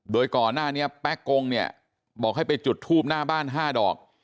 โดยก่อนหน้านี้แป๊กกงเนี่ยบอกให้ไปจุดทูบหน้าบ้าน๕ดอก